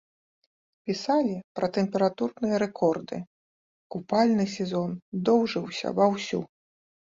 Пісалі пра тэмпературныя рэкорды, купальны сезон доўжыўся ва ўсю.